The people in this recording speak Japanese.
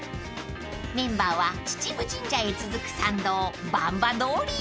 ［メンバーは秩父神社へ続く参道番場通りへ］